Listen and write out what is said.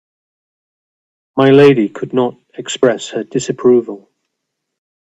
My lady could not express her disapproval.